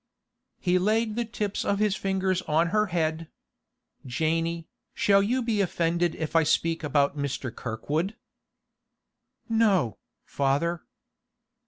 He laid the tips of his fingers on her head. 'Janey, shall you be offended if I speak about Mr. Kirkwood?' 'No, father.